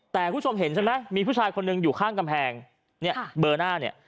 แต่คุณผู้ชมเห็นใช่ไหมมีผู้ชายคนหนึ่งอยู่ข้างกำแพงเนี่ยเบอร์หน้าเนี่ย